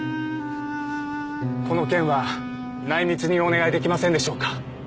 この件は内密にお願いできませんでしょうか。